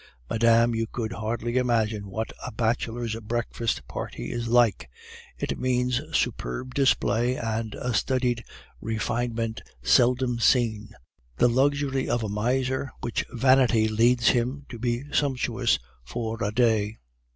Madame, you could hardly imagine what a bachelor's breakfast party is like. It means superb display and a studied refinement seldom seen; the luxury of a miser when vanity leads him to be sumptuous for a day.